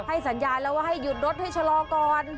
สัญญาณแล้วว่าให้หยุดรถให้ชะลอก่อน